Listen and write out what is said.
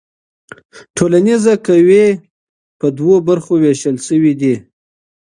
ټولنیزې قوې په دوو برخو ویشل سوي دي.